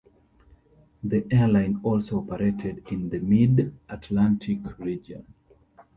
The airline also operated in the mid-Atlantic region.